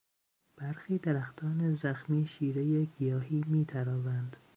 برخی درختان زخمی شیرهی گیاهی میتراوند.